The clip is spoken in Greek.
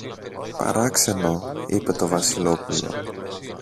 Παράξενο! είπε το Βασιλόπουλο.